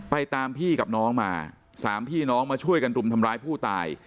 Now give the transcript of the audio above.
ตามพี่กับน้องมาสามพี่น้องมาช่วยกันรุมทำร้ายผู้ตาย